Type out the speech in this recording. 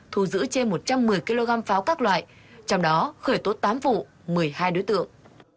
thu giữ trên một trăm một mươi kg pháo các loại trong đó khởi tốt tám vụ một mươi hai đối tượng